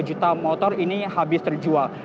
dua juta motor ini habis terjual